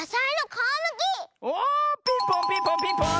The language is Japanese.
おおピンポンピンポンピンポーン！